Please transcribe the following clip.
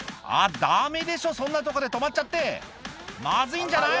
ダメでしょそんなとこで止まっちゃってまずいんじゃない？